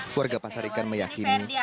keluarga pasar ikan meyakini